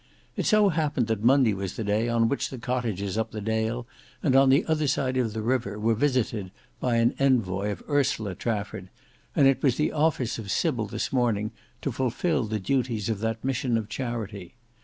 It so happened that Monday was the day on which the cottages up the dale and on the other side of the river were visited by an envoy of Ursula Trafford, and it was the office of Sybil this morning to fulfil the duties of that mission of charity.